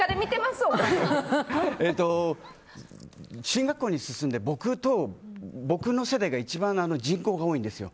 進学校に進んで僕の世代が一番人口が多いんですよ。